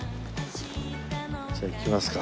じゃあ行きますか。